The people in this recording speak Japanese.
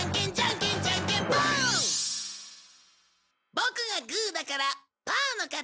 ボクがグーだからパーの勝ち！